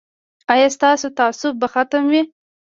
ایا ستاسو تعصب به ختم وي؟